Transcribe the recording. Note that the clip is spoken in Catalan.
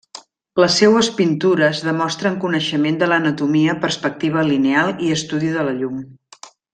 Les seues pintures demostren coneixement de l'anatomia, perspectiva lineal i estudi de la llum.